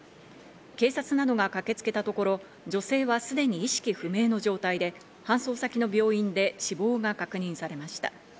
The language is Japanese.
警察などが駆けつけたところ、女性はすでに意識不明の状態で搬送先の病院で死亡が確認されました。